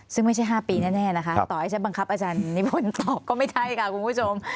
ซึ่งไม่ใช่๕ปีแน่นะคะต่อให้ใช้บังคับอาจารย์นิพนธ์ตอบก็ไม่ใช่ค่ะคุณผู้ชม